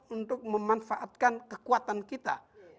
untuk memanfaatkan kekuatan kita